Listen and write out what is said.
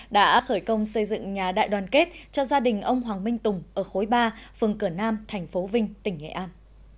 đã khởi công xây dựng nhà đại đoàn kết cho gia đình ông hoàng minh tùng ở khối ba phường cửa nam thành phố vinh tỉnh nghệ an